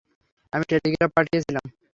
আমি টেলিগ্রাফ পাঠিয়েছিলাম।